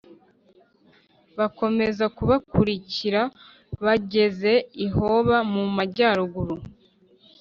bakomeza kubakurikira babageza i Hoba mu majyaruguru